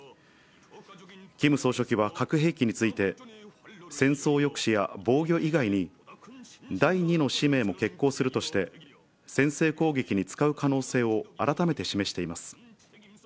キム総書記は核兵器について、戦争抑止や防御以外に、第２の使命も決行するとして、先制攻撃に使う可能性を改めて示しています。